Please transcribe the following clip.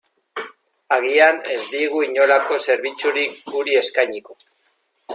Agian, ez digu inolako zerbitzurik guri eskainiko.